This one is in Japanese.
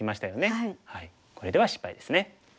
これでは失敗ですね。